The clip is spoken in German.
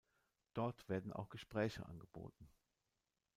Dort werden auch Gespräche angeboten.